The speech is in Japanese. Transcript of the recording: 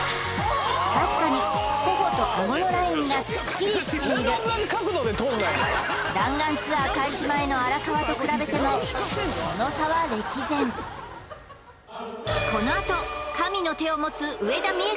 確かに頬とあごのラインがすっきりしている弾丸ツアー開始前の荒川と比べてもこのあと神の手を持つあ！